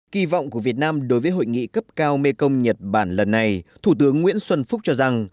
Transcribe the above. kỳ vọng của việt nam đối với hội nghị cấp cao mekong nhật bản lần này thủ tướng nguyễn xuân phúc cho rằng